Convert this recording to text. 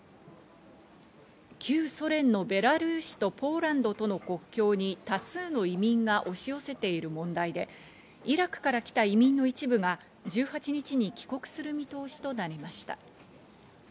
旧ソ連のベラルーシとポーランドとの国境に多数の移民が押し寄せている問題で、イラクから来た移民の一部が１８日に帰国する見通しとなりました。